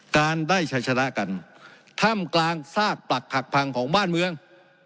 การได้ชัยชนะกันถ้ำกลางซากปรักหักพังของบ้านเมือง